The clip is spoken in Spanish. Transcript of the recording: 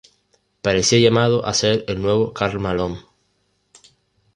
Parecía llamado a ser el nuevo Karl Malone.